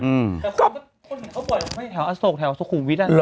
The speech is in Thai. คนเห็นเขาบ่อยไปแถวอโศกแถวสุขุมวิทย์